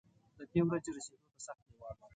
د دې ورځې رسېدو ته سخت لېوال وم.